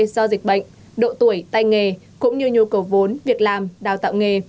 do dịch bệnh độ tuổi tay nghề cũng như nhu cầu vốn việc làm đào tạo nghề